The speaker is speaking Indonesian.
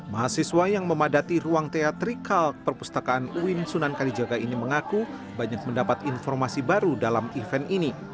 mahasiswa yang memadati ruang teatrikal perpustakaan uin sunan kalijaga ini mengaku banyak mendapat informasi baru dalam event ini